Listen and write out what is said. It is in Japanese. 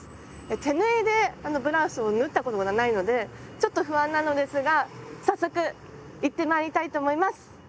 手縫いでブラウスを縫ったことがないのでちょっと不安なのですが早速行ってまいりたいと思います！